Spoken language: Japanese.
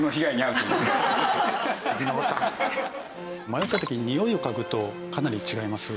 迷った時ににおいを嗅ぐとかなり違います。